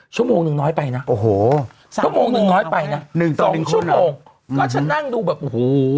ชั่วโมงหนึ่งน้อยไปนะสองชั่วโมงก็จะนั่งดูแบบโอ้โห